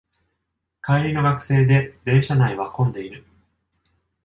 帰りの学生で電車内は混んでいる